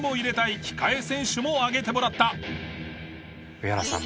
上原さん